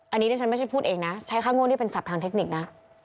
อันนี้ดิฉันไม่ใช่พูดเองนะใช้ค่าโง่นี่เป็นศัพททางเทคนิคนะ